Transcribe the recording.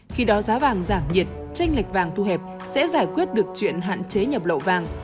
khi đó giá vàng giảm nhiệt tranh lệch vàng thu hẹp sẽ giải quyết được chuyện hạn chế nhập lậu vàng